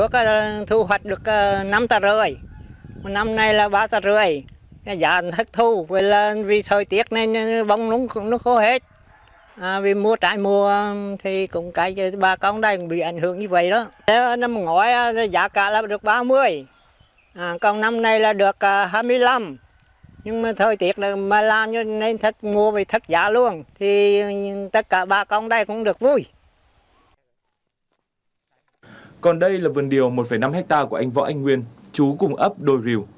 còn đây là vườn điều một năm hectare của anh võ anh nguyên chú cùng ấp đồi rìu